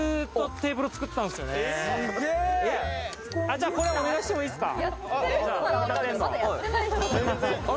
じゃあこれ、お願いしてもいいですか？